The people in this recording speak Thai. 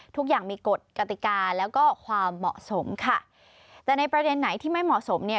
ทุกอย่างมีกฎกติกาแล้วก็ความเหมาะสมค่ะแต่ในประเด็นไหนที่ไม่เหมาะสมเนี่ย